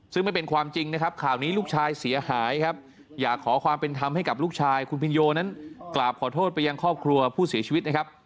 ซึ่งไม่เป็นความจริงนะครับข่าวนี้ลูกชายเสียหายครับอยากขอความเป็นธรรมให้กับลูกชายคุณพินโยนั้นกราบขอโทษไปยังครอบครัวผู้เสียชีวิตนะครับ